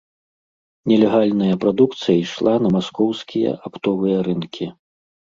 Нелегальная прадукцыя ішла на маскоўскія аптовыя рынкі.